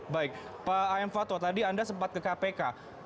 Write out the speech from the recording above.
baik pak aem fatwa tadi anda sempat ke kpk